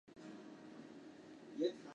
科尔内利乌斯家族的成员。